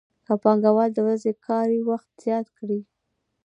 که پانګوال د ورځني کار وخت زیات کړي